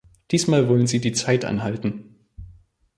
Diesmal wollen sie die Zeit anhalten.